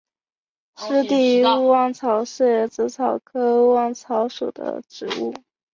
湿地勿忘草是紫草科勿忘草属的植物。